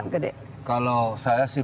gede kalau saya sih